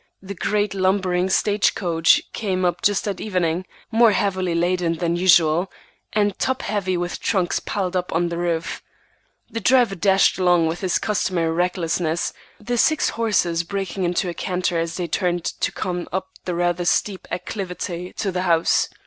The great, lumbering stage coach came up just at evening, more heavily laden than usual, and top heavy with trunks piled up on the roof. The driver dashed along with his customary recklessness, the six horses breaking into a canter as they turned to come up the rather steep acclivity to the house.